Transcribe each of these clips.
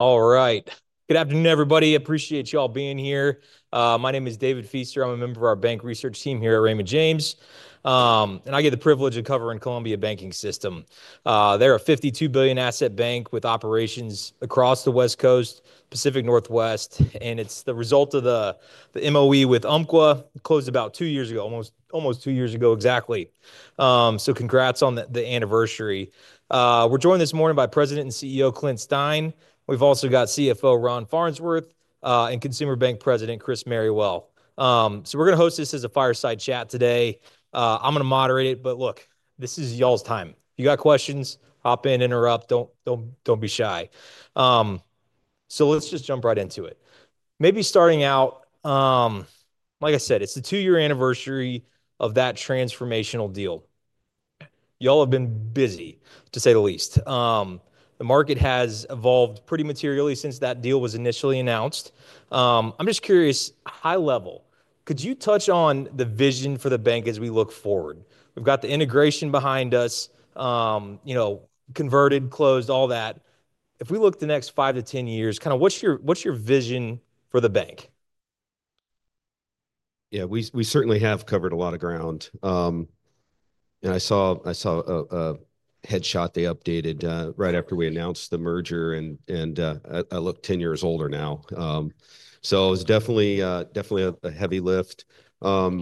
All right. Good afternoon, everybody. Appreciate y'all being here. My name is David Feaster. I'm a member of our bank research team here at Raymond James, and I get the privilege of covering Columbia Banking System. They're a $52 billion asset bank with operations across the West Coast, Pacific Northwest, and it's the result of the MOE with Umpqua. It closed about two years ago, almost two years ago, exactly, so congrats on the anniversary. We're joined this morning by President and CEO Clint Stein. We've also got CFO Ron Farnsworth and Consumer Bank President Chris Merrywell. So we're going to host this as a fireside chat today. I'm going to moderate it, but look, this is y'all's time. If you got questions, hop in, interrupt. Don't be shy. So let's just jump right into it. Maybe starting out, like I said, it's the two-year anniversary of that transformational deal. Y'all have been busy, to say the least. The market has evolved pretty materially since that deal was initially announced. I'm just curious, high level, could you touch on the vision for the bank as we look forward? We've got the integration behind us, converted, closed, all that. If we look the next five to ten years, kind of what's your vision for the bank? Yeah, we certainly have covered a lot of ground. And I saw a headshot they updated right after we announced the merger, and I look 10 years older now. So it was definitely a heavy lift. I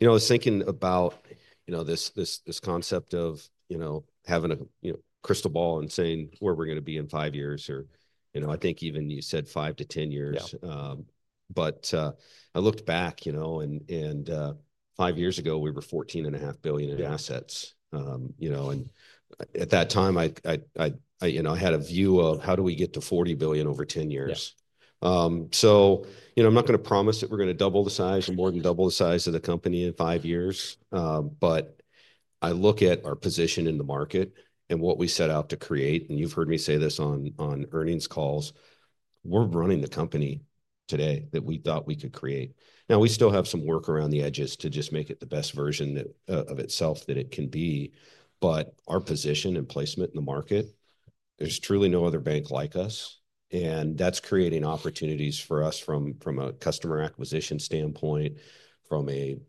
was thinking about this concept of having a crystal ball and saying where we're going to be in five years, or I think even you said five to 10 years. But I looked back, and five years ago, we were $14.5 billion in assets. And at that time, I had a view of how do we get to $40 billion over 10 years. So I'm not going to promise that we're going to double the size or more than double the size of the company in five years. But I look at our position in the market and what we set out to create, and you've heard me say this on earnings calls. We're running the company today that we thought we could create. Now, we still have some work around the edges to just make it the best version of itself that it can be. But our position and placement in the market, there's truly no other bank like us. And that's creating opportunities for us from a customer acquisition standpoint, from an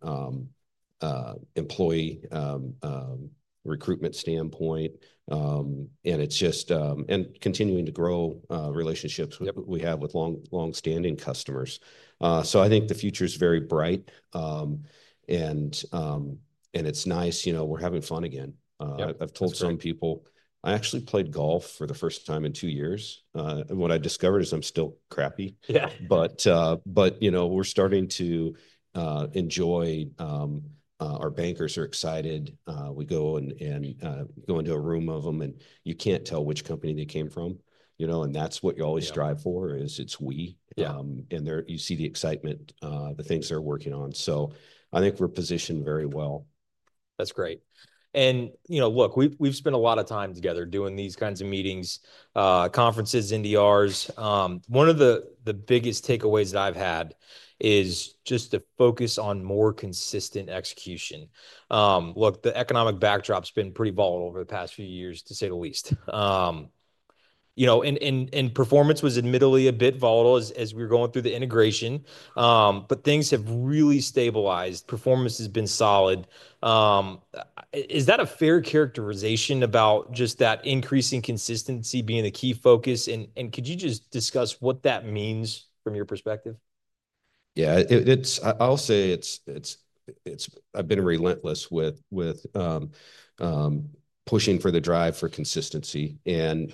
employee recruitment standpoint. And it's just continuing to grow relationships we have with longstanding customers. So I think the future is very bright, and it's nice. We're having fun again. I've told some people I actually played golf for the first time in two years. And what I discovered is I'm still crappy. But we're starting to enjoy. Our bankers are excited. We go into a room of them, and you can't tell which company they came from. And that's what you always strive for, is it's we. And you see the excitement, the things they're working on. So I think we're positioned very well. That's great. And look, we've spent a lot of time together doing these kinds of meetings, conferences, NDRs. One of the biggest takeaways that I've had is just to focus on more consistent execution. Look, the economic backdrop's been pretty volatile over the past few years, to say the least. And performance was admittedly a bit volatile as we were going through the integration. But things have really stabilized. Performance has been solid. Is that a fair characterization about just that increasing consistency being the key focus? And could you just discuss what that means from your perspective? Yeah, I'll say I've been relentless with pushing for the drive for consistency. And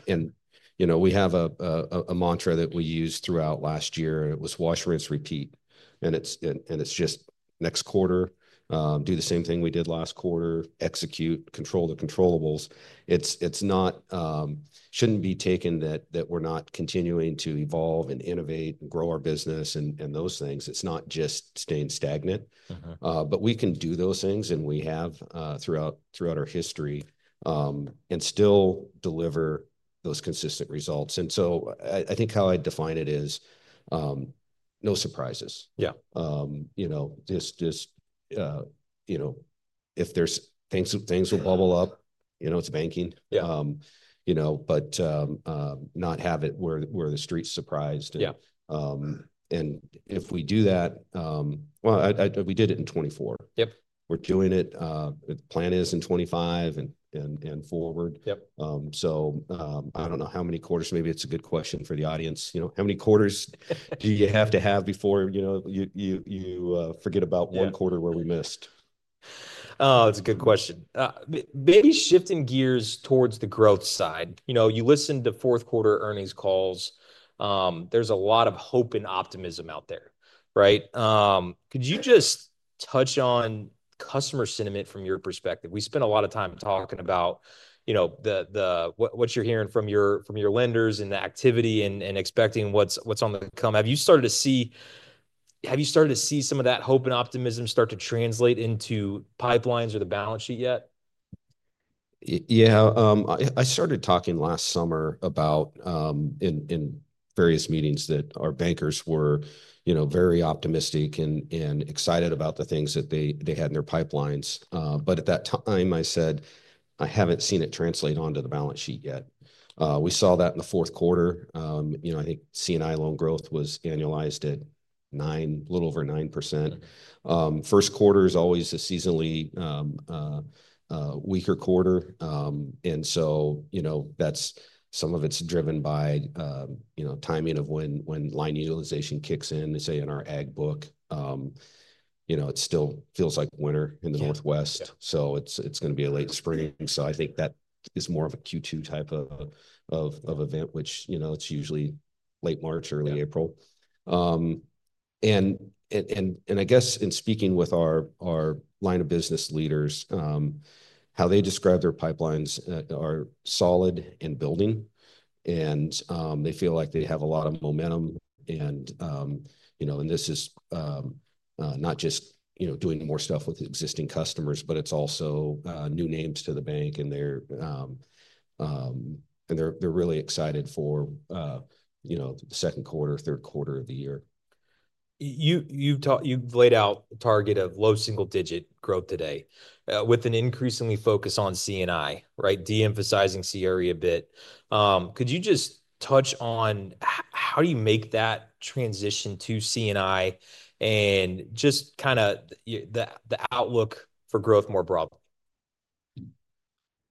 we have a mantra that we used throughout last year, and it was wash, rinse, repeat. And it's just next quarter, do the same thing we did last quarter, execute, control the controllables. It shouldn't be taken that we're not continuing to evolve and innovate and grow our business and those things. It's not just staying stagnant. But we can do those things, and we have throughout our history, and still deliver those consistent results. And so I think how I define it is no surprises. Just if there's things will bubble up, it's banking. But not have it where the street's surprised. And if we do that, well, we did it in 2024. We're doing it. The plan is in 2025 and forward. So I don't know how many quarters. Maybe it's a good question for the audience. How many quarters do you have to have before you forget about one quarter where we missed? Oh, that's a good question. Maybe shifting gears towards the growth side. You listened to fourth quarter earnings calls. There's a lot of hope and optimism out there. Could you just touch on customer sentiment from your perspective? We spent a lot of time talking about what you're hearing from your lenders and the activity and expecting what's on the come. Have you started to see some of that hope and optimism start to translate into pipelines or the balance sheet yet? Yeah. I started talking last summer about in various meetings that our bankers were very optimistic and excited about the things that they had in their pipelines. But at that time, I said, "I haven't seen it translate onto the balance sheet yet." We saw that in the fourth quarter. I think C&I loan growth was annualized at a little over 9%. First quarter is always a seasonally weaker quarter, and so that's some of it's driven by timing of when line utilization kicks in, say, in our ag book. It still feels like winter in the Northwest, so it's going to be a late spring, so I think that is more of a Q2 type of event, which it's usually late March, early April, and I guess in speaking with our line of business leaders, how they describe their pipelines are solid and building. And they feel like they have a lot of momentum. And this is not just doing more stuff with existing customers, but it's also new names to the bank. And they're really excited for the second quarter, third quarter of the year. You've laid out a target of low single-digit growth today with an increasing focus on C&I, de-emphasizing CRE a bit. Could you just touch on how do you make that transition to C&I and just kind of the outlook for growth more broadly?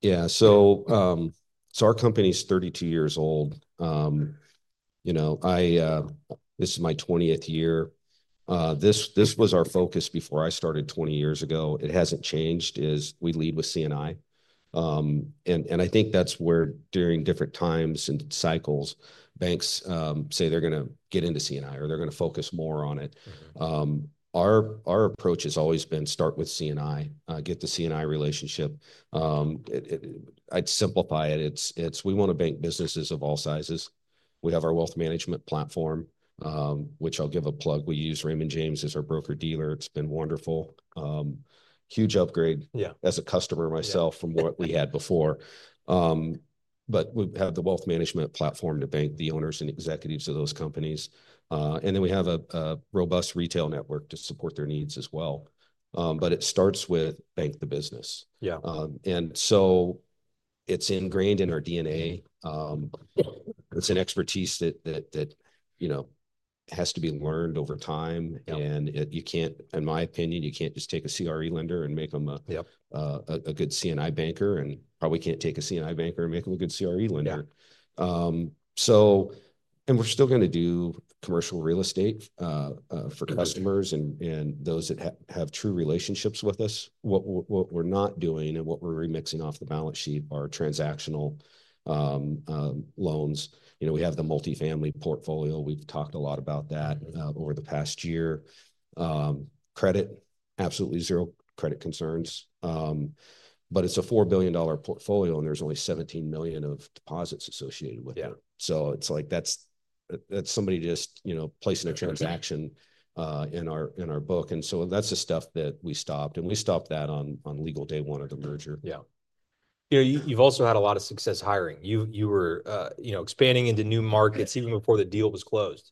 Yeah. So our company is 32 years old. This is my 20th year. This was our focus before I started 20 years ago. It hasn't changed. It is we lead with C&I. And I think that's where during different times and cycles, banks say they're going to get into C&I or they're going to focus more on it. Our approach has always been start with C&I, get the C&I relationship. I'd simplify it. We want to bank businesses of all sizes. We have our wealth management platform, which I'll give a plug. We use Raymond James as our broker-dealer. It's been wonderful. Huge upgrade as a customer myself from what we had before. But we have the wealth management platform to bank the owners and executives of those companies. And then we have a robust retail network to support their needs as well. But it starts with bank the business. And so it's ingrained in our DNA. It's an expertise that has to be learned over time. And in my opinion, you can't just take a CRE lender and make them a good C&I banker, and probably can't take a C&I banker and make them a good CRE lender. And we're still going to do commercial real estate for customers and those that have true relationships with us. What we're not doing and what we're remixing off the balance sheet are transactional loans. We have the multifamily portfolio. We've talked a lot about that over the past year. Credit, absolutely zero credit concerns. But it's a $4 billion portfolio, and there's only $17 million of deposits associated with it. So it's like that's somebody just placing a transaction in our book. And so that's the stuff that we stopped. And we stopped that on legal day one of the merger. Yeah. You've also had a lot of success hiring. You were expanding into new markets even before the deal was closed.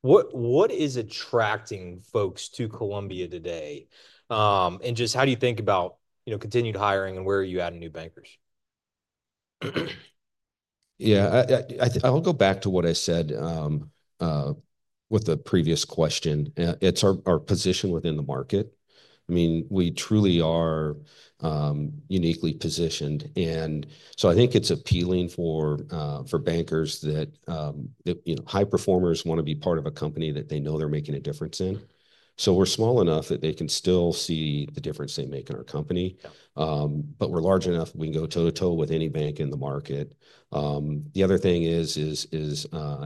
What is attracting folks to Columbia today? And just how do you think about continued hiring and where are you adding new bankers? Yeah. I'll go back to what I said with the previous question. It's our position within the market. I mean, we truly are uniquely positioned. And so I think it's appealing for bankers that high performers want to be part of a company that they know they're making a difference in. So we're small enough that they can still see the difference they make in our company. But we're large enough we can go toe to toe with any bank in the market. The other thing is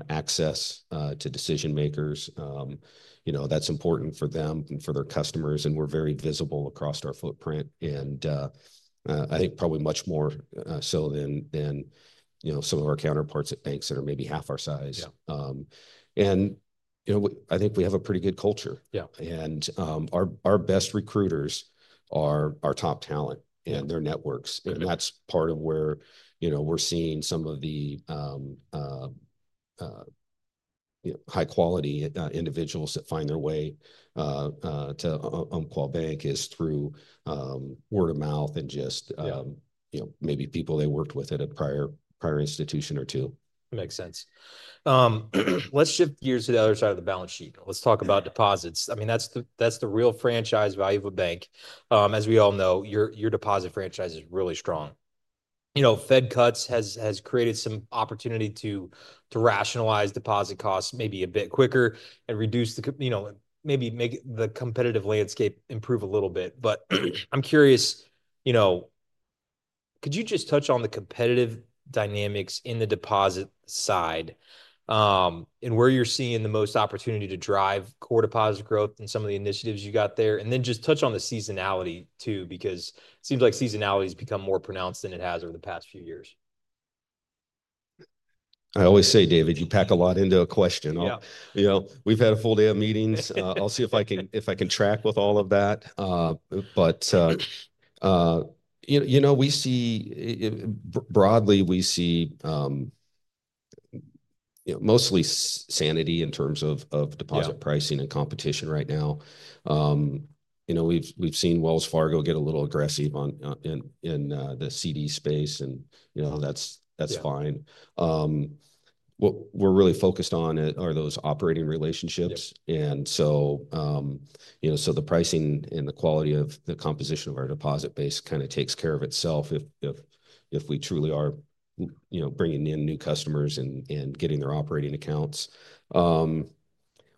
access to decision makers. That's important for them and for their customers. And we're very visible across our footprint. And I think probably much more so than some of our counterparts at banks that are maybe half our size. And I think we have a pretty good culture. And our best recruiters are our top talent and their networks. And that's part of where we're seeing some of the high-quality individuals that find their way to Umpqua Bank is through word of mouth and just maybe people they worked with at a prior institution or two. Makes sense. Let's shift gears to the other side of the balance sheet. Let's talk about deposits. I mean, that's the real franchise value of a bank. As we all know, your deposit franchise is really strong. Fed cuts has created some opportunity to rationalize deposit costs maybe a bit quicker and reduce, maybe make the competitive landscape improve a little bit. But I'm curious, could you just touch on the competitive dynamics in the deposit side and where you're seeing the most opportunity to drive core deposit growth and some of the initiatives you got there? And then just touch on the seasonality too, because it seems like seasonality has become more pronounced than it has over the past few years. I always say, David, you pack a lot into a question. We've had a full day of meetings. I'll see if I can track with all of that. But we see broadly, we see mostly sanity in terms of deposit pricing and competition right now. We've seen Wells Fargo get a little aggressive in the CD space, and that's fine. What we're really focused on are those operating relationships. And so the pricing and the quality of the composition of our deposit base kind of takes care of itself if we truly are bringing in new customers and getting their operating accounts.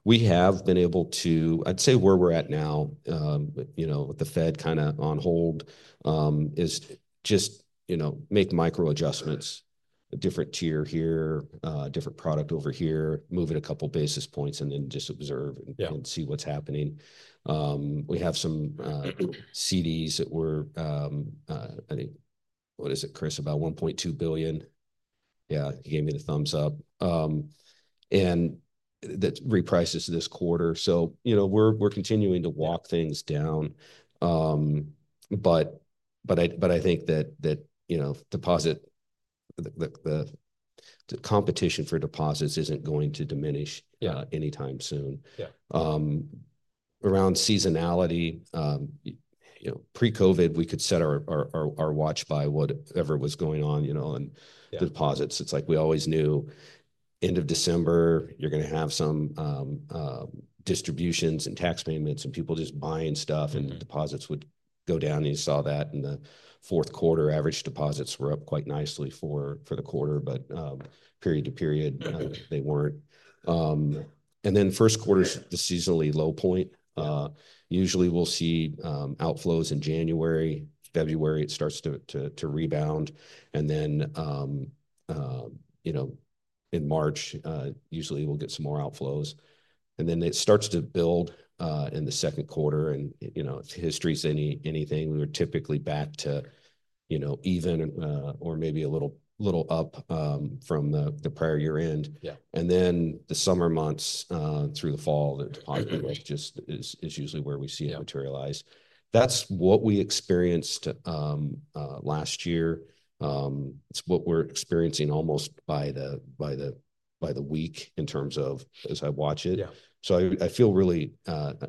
We have been able to. I'd say where we're at now with the Fed kind of on hold is just make micro adjustments, a different tier here, a different product over here, move it a couple of basis points, and then just observe and see what's happening. We have some CDs that were, I think, what is it, Chris, about $1.2 billion. Yeah, he gave me the thumbs up, and that reprices this quarter, so we're continuing to walk things down, but I think that deposit, the competition for deposits isn't going to diminish anytime soon. Around seasonality, pre-COVID, we could set our watch by whatever was going on in the deposits. It's like we always knew end of December, you're going to have some distributions and tax payments and people just buying stuff, and deposits would go down. You saw that in the fourth quarter. Average deposits were up quite nicely for the quarter, but period to period, they weren't, and then first quarter's the seasonally low point. Usually, we'll see outflows in January. February, it starts to rebound, and then in March, usually, we'll get some more outflows. And then it starts to build in the second quarter. And if history's anything, we were typically back to even or maybe a little up from the prior year end. And then the summer months through the fall, the deposit rate just is usually where we see it materialize. That's what we experienced last year. It's what we're experiencing almost by the week in terms of. As I watch it. So I feel really good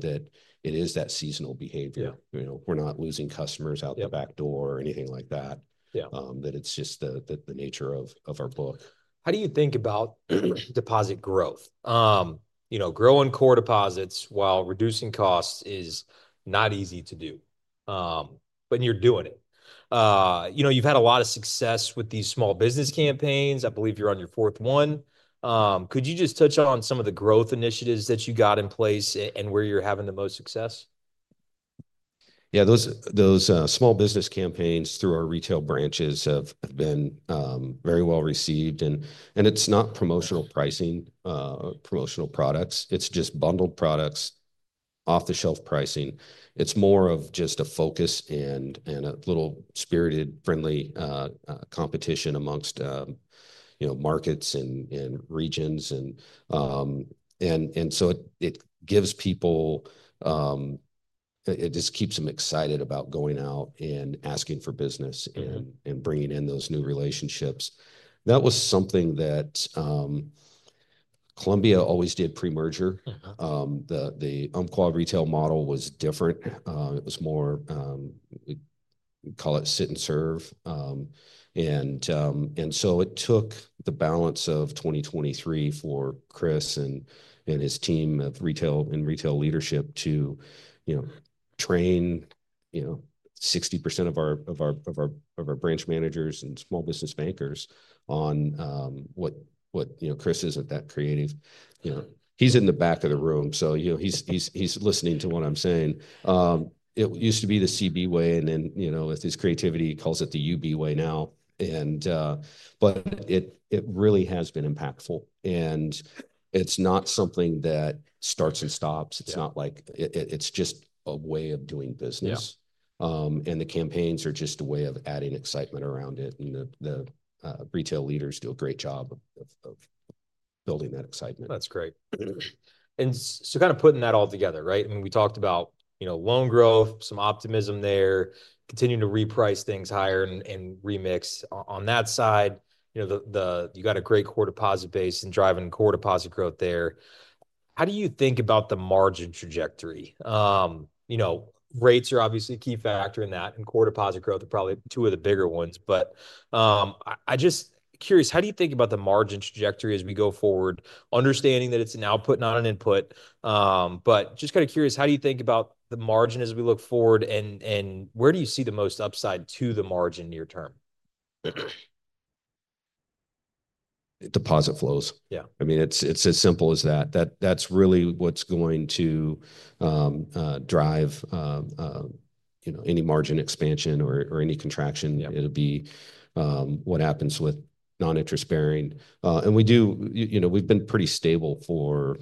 that it is that seasonal behavior. We're not losing customers out the back door or anything like that. That it's just the nature of our book. How do you think about deposit growth? Growing core deposits while reducing costs is not easy to do, but you're doing it. You've had a lot of success with these small business campaigns. I believe you're on your fourth one. Could you just touch on some of the growth initiatives that you got in place and where you're having the most success? Yeah. Those small business campaigns through our retail branches have been very well received, and it's not promotional pricing, promotional products. It's just bundled products, off-the-shelf pricing. It's more of just a focus and a little spirited, friendly competition amongst markets and regions, and so it gives people, it just keeps them excited about going out and asking for business and bringing in those new relationships. That was something that Columbia always did pre-merger. The Umpqua retail model was different. It was more, we call it sit and serve, and so it took the balance of 2023 for Chris and his team of retail and retail leadership to train 60% of our branch managers and small business bankers on what Chris is. That's creative. He's in the back of the room, so he's listening to what I'm saying. It used to be the CB Way, and then with his creativity, he calls it the UB Way now. But it really has been impactful. And it's not something that starts and stops. It's not like it's just a way of doing business. And the campaigns are just a way of adding excitement around it. And the retail leaders do a great job of building that excitement. That's great. And so kind of putting that all together, right? I mean, we talked about loan growth, some optimism there, continuing to reprice things higher and remix on that side. You got a great core deposit base and driving core deposit growth there. How do you think about the margin trajectory? Rates are obviously a key factor in that, and core deposit growth are probably two of the bigger ones. But I'm just curious, how do you think about the margin trajectory as we go forward, understanding that it's an output, not an input? But just kind of curious, how do you think about the margin as we look forward, and where do you see the most upside to the margin near term? Deposit flows. I mean, it's as simple as that. That's really what's going to drive any margin expansion or any contraction. It'll be what happens with non-interest bearing. And we've been pretty stable for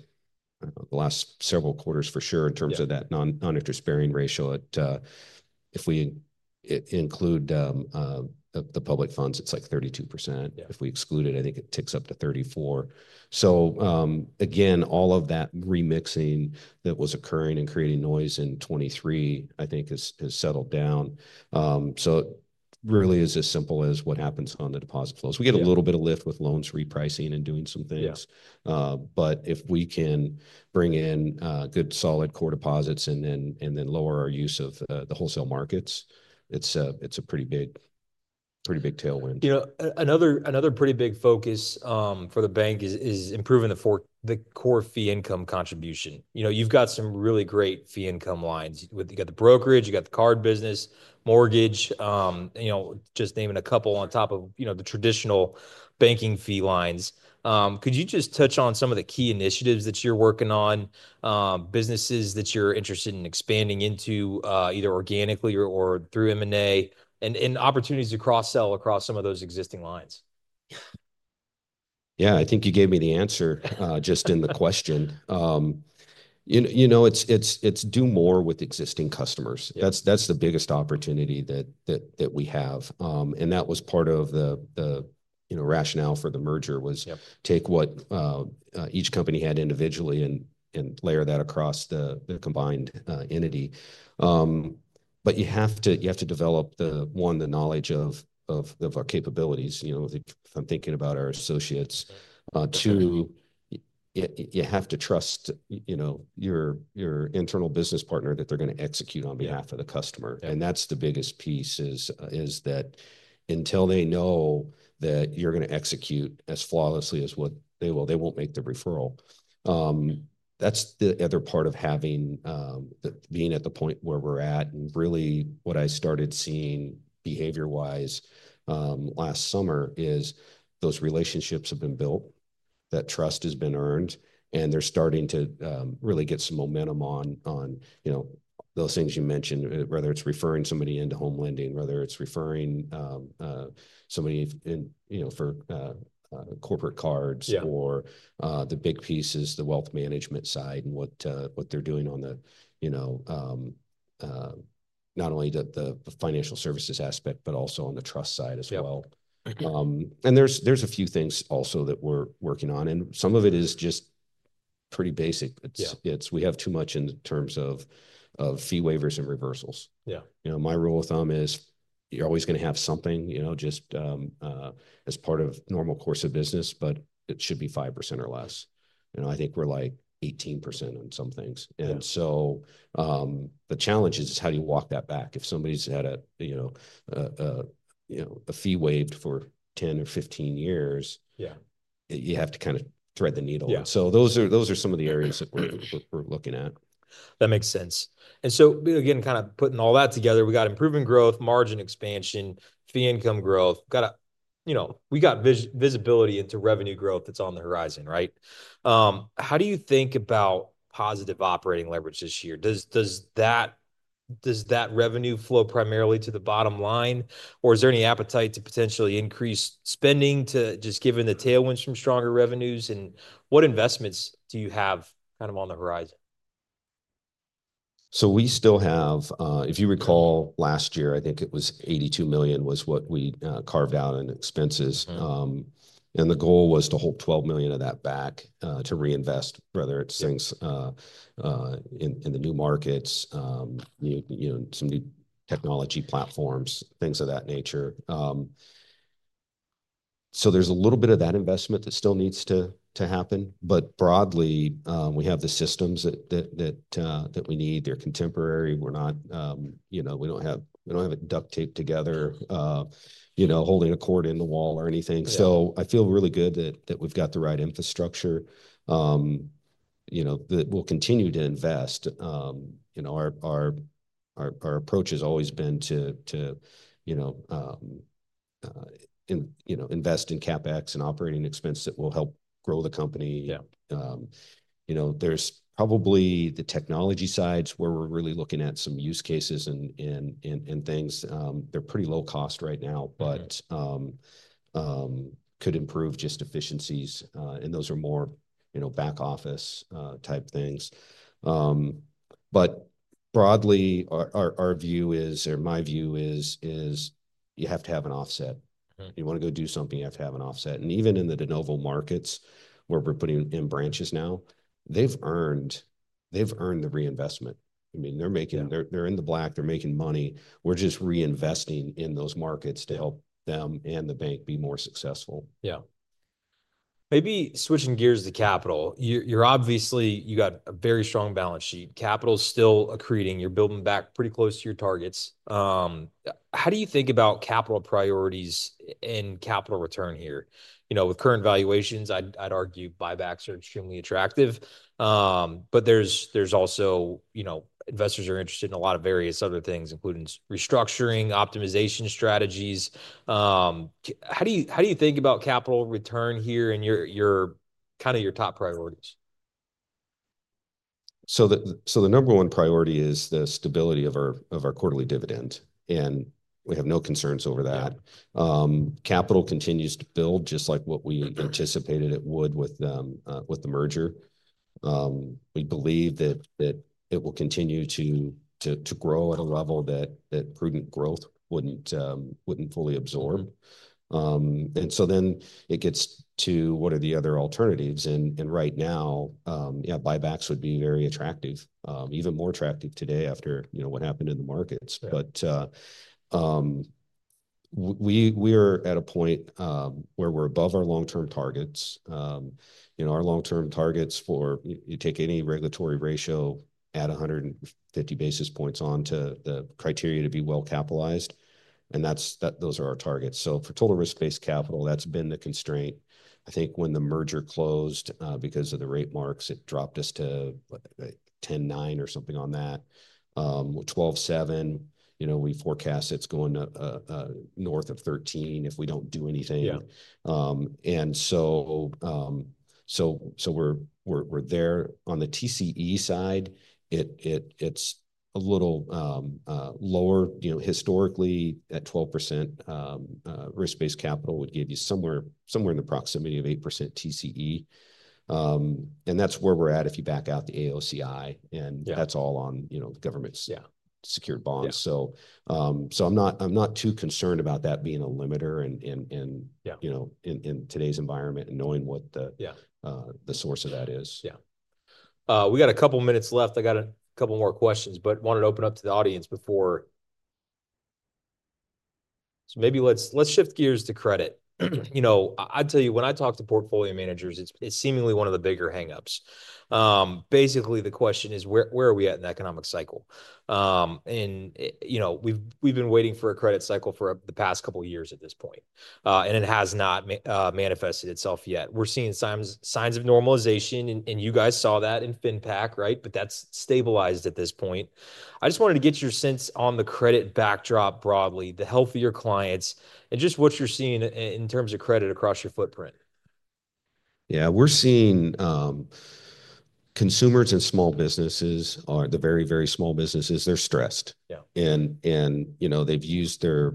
the last several quarters for sure in terms of that non-interest bearing ratio. If we include the public funds, it's like 32%. If we exclude it, I think it ticks up to 34%. So again, all of that remixing that was occurring and creating noise in 2023, I think, has settled down. So it really is as simple as what happens on the deposit flows. We get a little bit of lift with loans repricing and doing some things. But if we can bring in good solid core deposits and then lower our use of the wholesale markets, it's a pretty big tailwind. Another pretty big focus for the bank is improving the core fee income contribution. You've got some really great fee income lines. You got the brokerage, you got the card business, mortgage, just naming a couple on top of the traditional banking fee lines. Could you just touch on some of the key initiatives that you're working on, businesses that you're interested in expanding into either organically or through M&A and opportunities to cross-sell across some of those existing lines? Yeah. I think you gave me the answer just in the question. It's do more with existing customers. That's the biggest opportunity that we have. And that was part of the rationale for the merger was take what each company had individually and layer that across the combined entity. But you have to develop, one, the knowledge of our capabilities. If I'm thinking about our associates, two, you have to trust your internal business partner that they're going to execute on behalf of the customer. And that's the biggest piece is that until they know that you're going to execute as flawlessly as what they will, they won't make the referral. That's the other part of being at the point where we're at. Really, what I started seeing behavior-wise last summer is those relationships have been built, that trust has been earned, and they're starting to really get some momentum on those things you mentioned, whether it's referring somebody into home lending, whether it's referring somebody for corporate cards, or the big piece is the wealth management side and what they're doing on not only the financial services aspect, but also on the trust side as well. There's a few things also that we're working on. Some of it is just pretty basic. We have too much in terms of fee waivers and reversals. My rule of thumb is you're always going to have something just as part of normal course of business, but it should be 5% or less. I think we're like 18% on some things. So the challenge is how do you walk that back? If somebody's had a fee waived for 10 or 15 years, you have to kind of thread the needle. So those are some of the areas that we're looking at. That makes sense, and so again, kind of putting all that together, we got improving growth, margin expansion, fee income growth. We got visibility into revenue growth that's on the horizon, right? How do you think about positive operating leverage this year? Does that revenue flow primarily to the bottom line, or is there any appetite to potentially increase spending just given the tailwinds from stronger revenues, and what investments do you have kind of on the horizon? So we still have, if you recall, last year. I think it was $82 million that we carved out in expenses. And the goal was to hold $12 million of that back to reinvest, whether it's things in the new markets, some new technology platforms, things of that nature. So there's a little bit of that investment that still needs to happen. But broadly, we have the systems that we need. They're contemporary. We don't have it duct-taped together holding a cord in the wall or anything. So I feel really good that we've got the right infrastructure that we'll continue to invest. Our approach has always been to invest in CapEx and operating expense that will help grow the company. There's probably the technology sides where we're really looking at some use cases and things. They're pretty low cost right now, but could improve just efficiencies. Those are more back office type things. Broadly, our view is, or my view is, you have to have an offset. You want to go do something, you have to have an offset. Even in the de novo markets where we're putting in branches now, they've earned the reinvestment. I mean, they're in the black, they're making money. We're just reinvesting in those markets to help them and the bank be more successful. Yeah. Maybe switching gears to capital. You've got a very strong balance sheet. Capital's still accreting. You're building back pretty close to your targets. How do you think about capital priorities and capital return here? With current valuations, I'd argue buybacks are extremely attractive. But there's also investors who are interested in a lot of various other things, including restructuring, optimization strategies. How do you think about capital return here and kind of your top priorities? The number one priority is the stability of our quarterly dividend. We have no concerns over that. Capital continues to build just like what we anticipated it would with the merger. We believe that it will continue to grow at a level that prudent growth wouldn't fully absorb. It gets to what are the other alternatives. Right now, buybacks would be very attractive, even more attractive today after what happened in the markets. We are at a point where we're above our long-term targets. Our long-term targets for you take any regulatory ratio add 150 basis points on to the criteria to be well capitalized. Those are our targets. For total risk-based capital, that's been the constraint. I think when the merger closed because of the rate marks, it dropped us to 10.9 or something on that. With 12.7, we forecast it's going north of 13 if we don't do anything. And so we're there. On the TCE side, it's a little lower. Historically, at 12%, risk-based capital would give you somewhere in the proximity of 8% TCE. And that's where we're at if you back out the AOCI. And that's all on government's secured bonds. So I'm not too concerned about that being a limiter in today's environment and knowing what the source of that is. Yeah. We got a couple of minutes left. I got a couple more questions, but wanted to open up to the audience before. So maybe let's shift gears to credit. I'd tell you when I talk to portfolio managers, it's seemingly one of the bigger hang-ups. Basically, the question is, where are we at in the economic cycle? And we've been waiting for a credit cycle for the past couple of years at this point, and it has not manifested itself yet. We're seeing signs of normalization, and you guys saw that in FinPac, right? But that's stabilized at this point. I just wanted to get your sense on the credit backdrop broadly, the healthier clients, and just what you're seeing in terms of credit across your footprint. Yeah. We're seeing consumers and small businesses, the very, very small businesses; they're stressed, and they've used their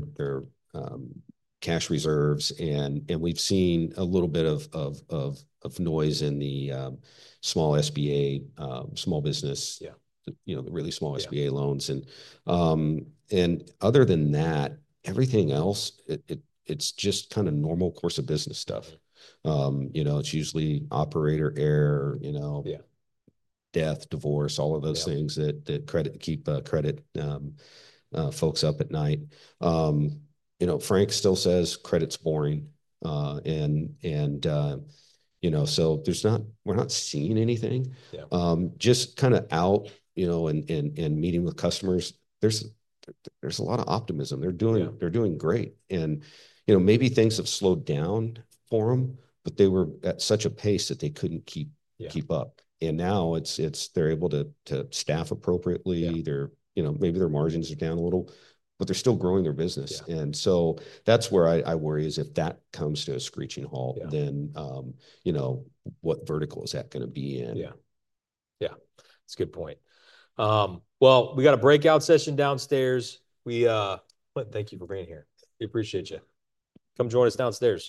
cash reserves, and we've seen a little bit of noise in the small SBA, small business, really small SBA loans. Other than that, everything else; it's just kind of normal course of business stuff. It's usually operator error, death, divorce, all of those things that keep credit folks up at night. Frank still says credit's boring, and so we're not seeing anything. Just kind of out and meeting with customers, there's a lot of optimism. They're doing great, and maybe things have slowed down for them, but they were at such a pace that they couldn't keep up, and now they're able to staff appropriately. Maybe their margins are down a little, but they're still growing their business. And so that's where I worry is if that comes to a screeching halt, then what vertical is that going to be in? Yeah. Yeah. That's a good point. Well, we got a breakout session downstairs. Thank you for being here. We appreciate you. Come join us downstairs.